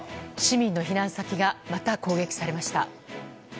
市民の避難先がまた攻撃されました。